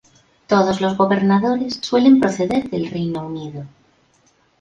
Todos los gobernadores suelen proceder del Reino Unido.